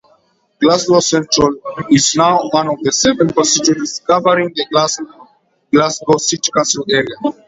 Glasgow Central is now one of seven constituencies covering the Glasgow City council area.